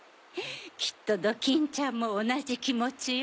きっとドキンちゃんもおなじきもちよ。